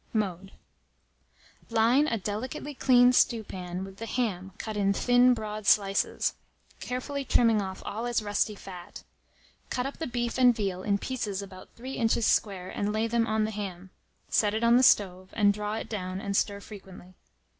Mode. Line a delicately clean stewpan with the ham cut in thin broad slices, carefully trimming off all its rusty fat; cut up the beef and veal in pieces about 3 inches square, and lay them on the ham; set it on the stove, and draw it down, and stir frequently.